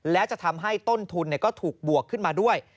และจะทำให้ต้นทุนก็ถูกบวกขึ้นมาด้วย